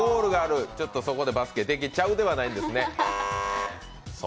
そこでバスケできちゃうではないんですね。